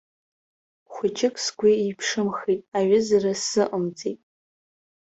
Хәыҷык сгәы еиԥшымхеит, аҩызара сзыҟамҵеит.